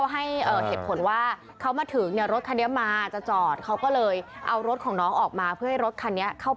เห็นมั้ยคือคนละคนกัน